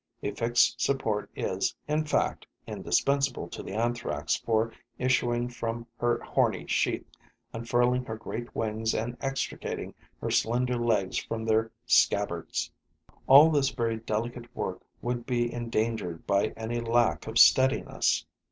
A fixed support is, in fact, indispensable to the Anthrax for issuing from her horny sheath, unfurling her great wings and extricating her slender legs from their scabbards. All this very delicate work would be endangered by any lack of steadiness.